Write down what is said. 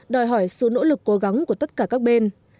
đòi hỏi sự nỗ lực cố gắng của tất cả các bên